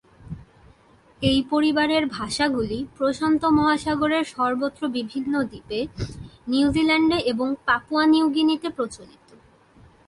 এই পরিবারের ভাষাগুলি প্রশান্ত মহাসাগরের সর্বত্র বিভিন্ন দ্বীপে, নিউজিল্যান্ডে এবং পাপুয়া নিউ গিনিতে প্রচলিত।